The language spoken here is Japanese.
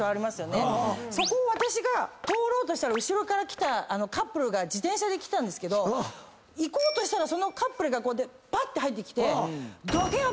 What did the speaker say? そこを通ろうとしたら後ろから来たカップルが自転車で来たけど行こうとしたらそのカップルがぱって入ってきて。